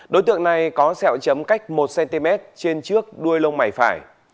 đối tượng này có sẹo chấm cách một cm trên trước đuôi lông mày phải